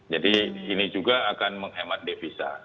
jadi ini juga akan menghemat devisa